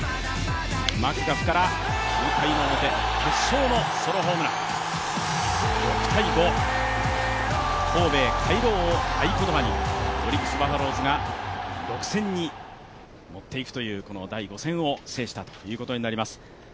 マグカフから９回の表、決勝のソロホームラン、神戸へ帰ろうを合い言葉に、オリックスバファローズが６戦に持っていくという第５戦を制したということになります。